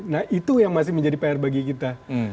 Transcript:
nah itu yang masih menjadi pr bagi kita